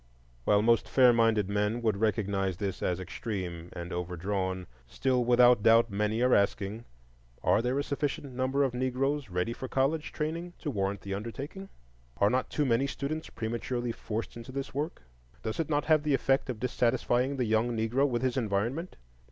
While most fair minded men would recognize this as extreme and overdrawn, still without doubt many are asking, Are there a sufficient number of Negroes ready for college training to warrant the undertaking? Are not too many students prematurely forced into this work? Does it not have the effect of dissatisfying the young Negro with his environment?